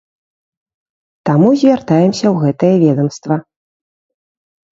Таму звяртаемся ў гэтае ведамства.